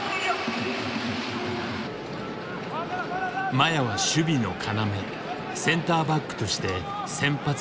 麻也は守備の要センターバックとして先発出場した。